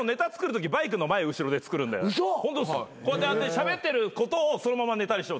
しゃべってることをそのままネタにしてます